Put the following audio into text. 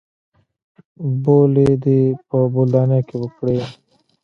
بولې دې په بولدانۍ کښې وکړې.